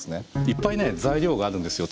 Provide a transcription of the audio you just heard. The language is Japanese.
いっぱい材料があるんですよ